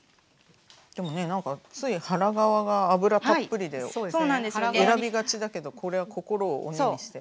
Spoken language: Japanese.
でもね何かつい腹側が脂たっぷりで選びがちだけどこれは心を鬼にして。